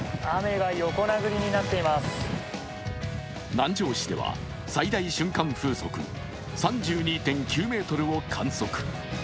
南城市では最大瞬間風速３２．９メートルを観測。